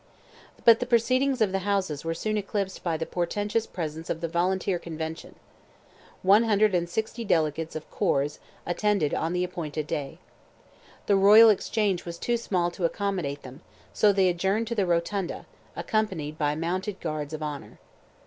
But the proceedings of the Houses were soon eclipsed by the portentous presence of the Volunteer Convention. One hundred and sixty delegates of corps attended on the appointed day. The Royal Exchange was too small to accommodate them, so they adjourned to the Rotunda, accompanied by mounted guards of honour.